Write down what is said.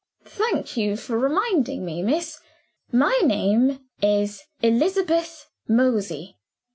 "Thank you for reminding me, miss. My name is Elizabeth Mosey.